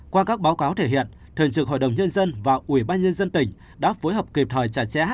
qua các báo cáo thể hiện thượng trực hội đồng nhân dân và ubnd tỉnh đã phối hợp kịp thời trả trẻ